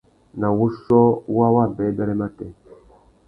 Nà wuchiô wa wabêbêrê matê.